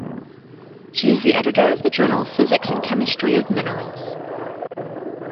She is the editor of the journal "Physics and Chemistry of Minerals".